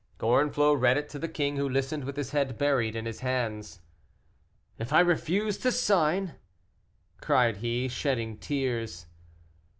Gorenflot read it to the king, who listened with his head buried in his hands. "If I refuse to sign?" cried he, shedding tears.